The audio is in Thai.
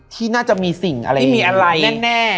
ที่น่าจะมีสิ่งอะไรแน่